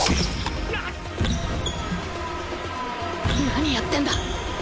何やってんだ。